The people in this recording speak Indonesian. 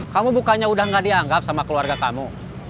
kamu bukanya udah gak dianggap sama keluarga kamu